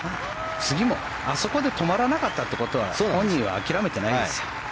次もあそこで止まらなかったってことは本人は諦めてないですよ。